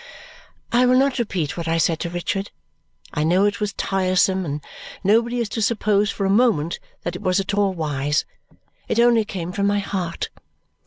I will not repeat what I said to Richard. I know it was tiresome, and nobody is to suppose for a moment that it was at all wise. It only came from my heart.